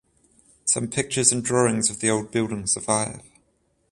Some pictures and drawings of the old building survive.